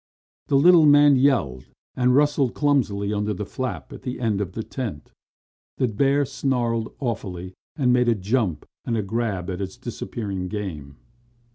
The little man yelled and rustled clumsily under the flap at the end of the tent. The bear snarled awfully and made a jump and a grab at his disappearing game.